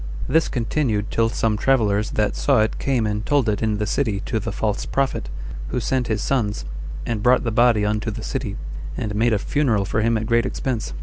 This continued till some travelers that saw it came and told it in the city to the false prophet, who sent his sons, and brought the body unto the city, and made a funeral for him at great expense.